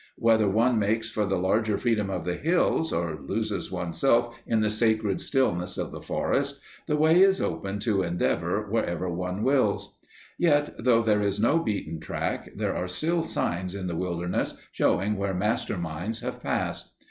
Whether one makes for the larger freedom of the hills, or loses one's self in the sacred stillness of the forest, the way is open to endeavour wherever one wills. Yet, though there is no beaten track, there are still signs in the wilderness showing where master minds have passed.